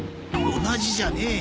同じじゃねえよ。